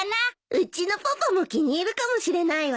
うちのパパも気に入るかもしれないわ。